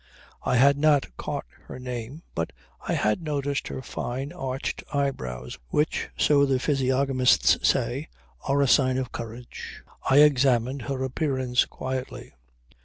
I had not caught her name but I had noticed her fine, arched eyebrows which, so the physiognomists say, are a sign of courage. I examined her appearance quietly.